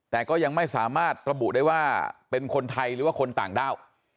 แต่ก็ยังไม่สามารถระบุได้ว่าเป็นคนไทยหรือว่าคนต่างด้าว